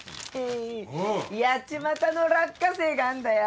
八街の落花生があんだよ。